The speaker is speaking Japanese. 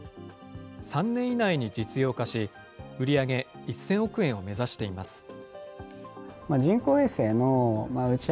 ３年以内に実用化し、売り上げ１０００億円を目指しています。